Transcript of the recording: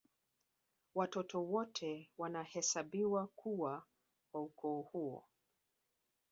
Watoto wote wanahesabiwa kuwa wa ukoo huo